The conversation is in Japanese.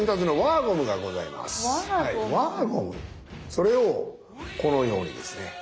それをこのようにですね